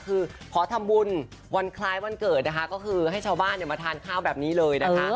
คือขอทำบุญวันคล้ายวันเกิดนะคะก็คือให้ชาวบ้านมาทานข้าวแบบนี้เลยนะคะ